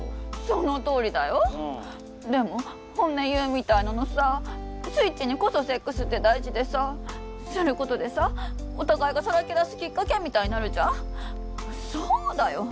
そのとおりだよでも本音言うみたいののさスイッチにこそセックスって大事でさスることでさお互いがさらけ出すきっかけみたいになるじゃんそうだよ